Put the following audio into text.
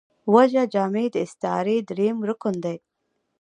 وجه جامع داستعارې درېیم رکن دﺉ.